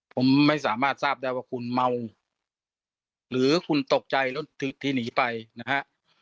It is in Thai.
ผมไม่สามารถทราบได้ว่าคุณเมาหรือคุณตกใจรถที่หนีไปนะฮะ